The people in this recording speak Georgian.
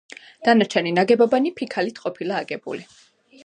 დანარჩენი ნაგებობანი ფიქალით ყოფილა აგებული.